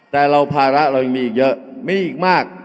แต่เราภาระเรายังมีอีกเยอะมีอีกมาก